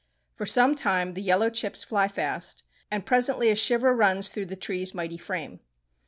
For some time the yellow chips fly fast, and presently a shiver runs through the tree's mighty frame.